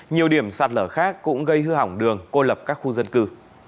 nhiều điểm sạt lở khác cũng gây hư hỏng đường cô lập các khu dân cư